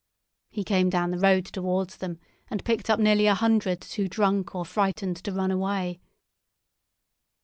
He came down the road towards them, and picked up nearly a hundred too drunk or frightened to run away."